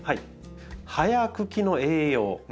葉や茎の栄養。